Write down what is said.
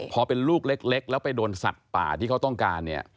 พอเป็นลูกเล็กแล้วไปโดนสัตว์ป่าที่เขาต้องการเนี่ย